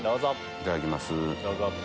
いただきます。